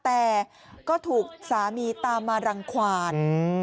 แต่ก็ถูกสามีตามมารังขวาน